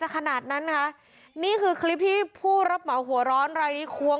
แกไม่เรียบร้อย